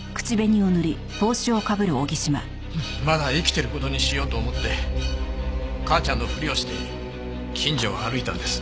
まだ生きてる事にしようと思って母ちゃんのふりをして近所を歩いたんです。